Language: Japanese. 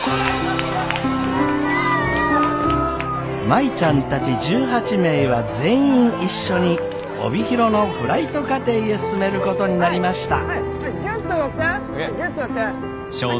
舞ちゃんたち１８名は全員一緒に帯広のフライト課程へ進めることになりました。